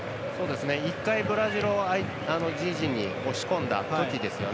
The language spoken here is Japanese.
一回、ブラジルを自陣に押し込んだときですよね